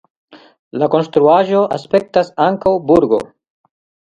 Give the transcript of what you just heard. La konstruaĵo aspektas ankaŭ burgo.